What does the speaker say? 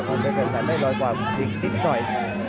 โอ้โหแค่แค่แสนได้รอยกว่ายิงนิดหน่อย